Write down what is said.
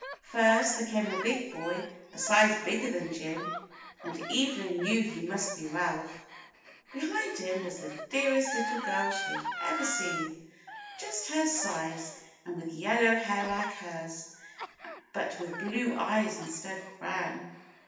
. First there came a big boy a size bigger than Jim, and Evelyn knew he must be Ralph. Behind him was the dearest little girl she had ever seen, just her size and with yellow hair like hers, but with blue eyes in stead of brown.